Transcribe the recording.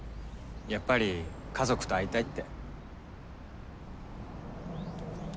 やっぱり家族と会いたいって。